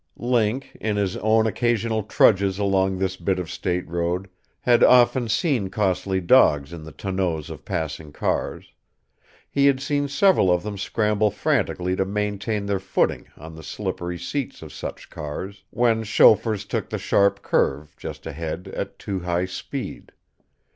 Link, in his own occasional trudges along this bit of state road, had often seen costly dogs in the tonneaus of passing cars. He had seen several of them scramble frantically to maintain their footing on the slippery seats of such cars; when chauffeurs took the sharp curve, just ahead, at too high speed.